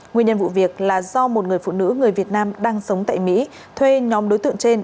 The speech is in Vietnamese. nguyên nhân vụ việc là do một người phụ nữ người việt nam đang sống tại mỹ thuê nhóm đối tượng trên